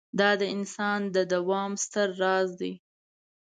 دا د انسان د دوام ستر راز دی.